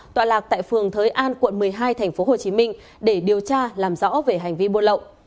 tọa lạc tại phường thới an quận một mươi hai tp hcm để điều tra làm rõ về hành vi buôn lậu